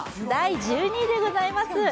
第１２位でございます。